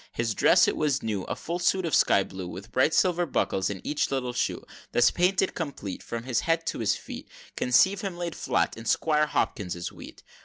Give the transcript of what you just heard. XXIII. His dress it was new, A full suit of sky blue With bright silver buckles in each little shoe Thus painted complete, From his head to his feet, Conceive him laid flat in Squire Hopkins's wheat.